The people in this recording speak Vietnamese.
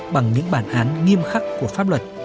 bằng những bản án nghiêm khắc của pháp luật